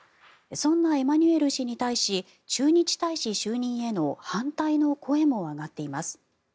そんなエマニュエル氏に対し駐日大使就任への反対の声も上がっています。